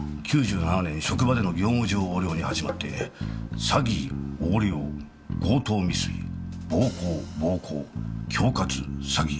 ９７年職場での業務上横領に始まって詐欺横領強盗未遂暴行暴行恐喝詐欺。